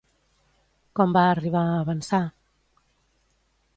Com va arribar a avançar?